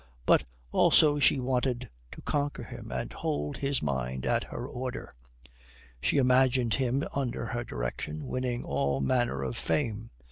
But also she wanted to conquer him and hold his mind at her order. She imagined him under her direction winning all manner of fame.